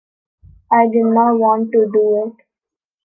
I didn't want to do it ...